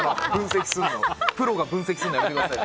プロが分析するのやめてください。